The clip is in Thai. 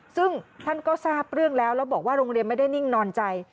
ซึ่งท่านก็ทราบเรื่องแล้วแล้วบอกว่าโรงเรียนไม่ได้นิ่งนอนใจ